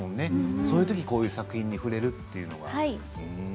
それだけこういう作品に触れるというのは。